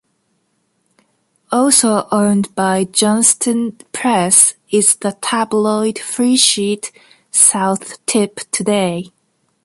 Also owned by Johnston Press is the tabloid freesheet, "South Tipp Today".